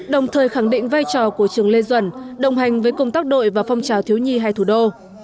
đồng thời khẳng định vai trò của trường lê duẩn đồng hành với công tác đội và phong trào thiếu nhi hai thủ đô